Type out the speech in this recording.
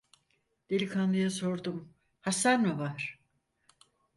Delikanlıya sordum: "Hastan mı var?"